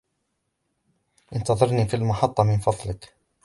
انتظرني في المحطة من فضلك.